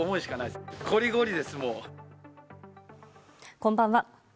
こんばんは。